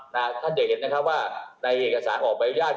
นะฮะท่านจะเห็นนะครับว่าในเหตุสารออกบริญญาณ